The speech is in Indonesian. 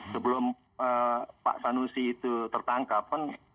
sebelum pak sanusi itu tertangkap